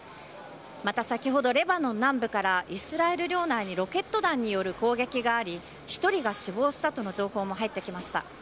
また先ほど、レバノン南部からイスラエル領内に、ロケット弾による攻撃があり、１人が死亡したとの情報も入ってきました。